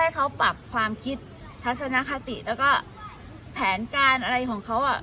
เขาปรับความคิดทัศนคติแล้วก็แผนการอะไรของเขา